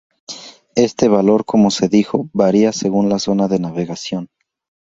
Este valor como se dijo varía según la zona de navegación.